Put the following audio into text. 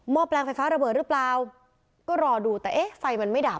อแปลงไฟฟ้าระเบิดหรือเปล่าก็รอดูแต่เอ๊ะไฟมันไม่ดับ